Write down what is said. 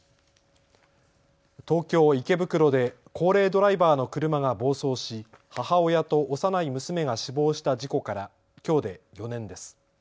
東京池袋で高齢ドライバーの車が暴走し母親と幼い娘が死亡した事故からきょうで４年です。